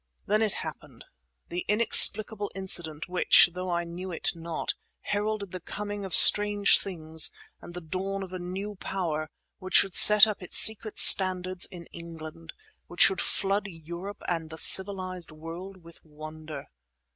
Then it happened; the inexplicable incident which, though I knew it not, heralded the coming of strange things, and the dawn of a new power; which should set up its secret standards in England, which should flood Europe and the civilized world with wonder.